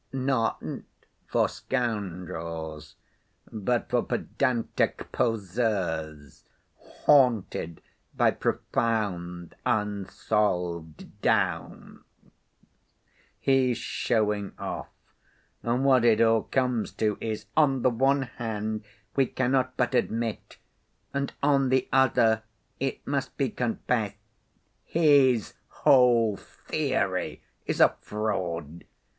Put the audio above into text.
Not for scoundrels, but for pedantic poseurs, 'haunted by profound, unsolved doubts.' He's showing off, and what it all comes to is, 'on the one hand we cannot but admit' and 'on the other it must be confessed!' His whole theory is a fraud!